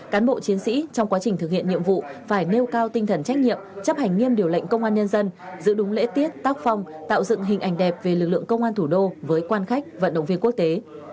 cán bộ chiến sĩ trong quá trình thực hiện nhiệm vụ phải nêu cao tinh thần trách nhiệm chấp hành nghiêm điều lệnh công an nhân dân giữ đúng lễ tiết tác phong tạo dựng hình ảnh đẹp về lực lượng công an thủ đô với quan khách vận động viên quốc tế